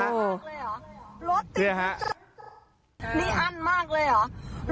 นี่อันมากเลยหรอ